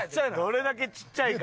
どれだけちっちゃいかや。